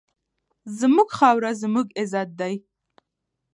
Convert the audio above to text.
زموږ خاوره زموږ عزت دی.